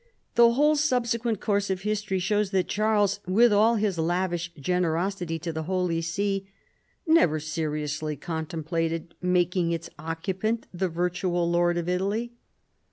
The whole subsequent course of history shows that Charles, with all his lavish generosity to the Holy See, never seriously contemplated making its occupant the virtual lord of Italy.